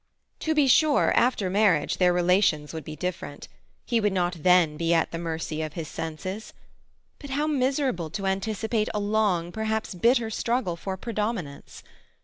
To be sure, after marriage their relations would be different. He would not then be at the mercy of his senses. But how miserable to anticipate a long, perhaps bitter, struggle for predominance.